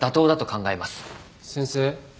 先生。